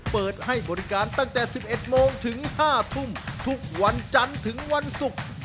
เปิดให้บริการตั้งแต่๑๑โมงถึง๕ทุ่มทุกวันจันทร์ถึงวันศุกร์